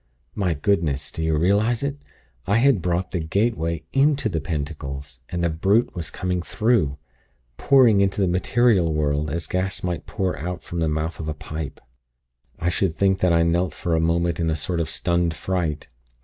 My Goodness! do you realize it! I had brought the 'gateway' into the pentacles, and the brute was coming through pouring into the material world, as gas might pour out from the mouth of a pipe. "I should think that I knelt for a moment in a sort of stunned fright.